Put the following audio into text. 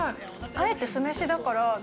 あえて酢飯だから。